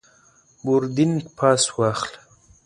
بوردینګ پاس واخله.